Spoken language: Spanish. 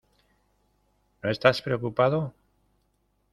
¿ No estás preocupado?